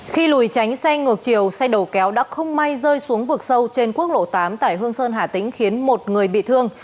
khi lùi tránh xe ngược chiều xe đầu kéo đã không may rơi xuống vực sâu trên quốc lộ tám tại hương sơn hà tĩnh khiến một người bị thương